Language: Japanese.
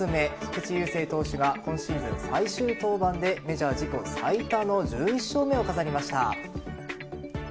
菊池雄星投手が今シーズン最終登板でメジャー自己最多の１１勝目を飾りました。